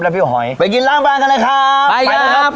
แล้วพี่หอยไปกินร้านบ้านกันเลยครับ